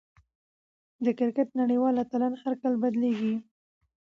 د کرکټ نړۍوال اتلان هر کال بدلېږي.